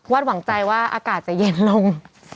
หวังใจว่าอากาศจะเย็นลง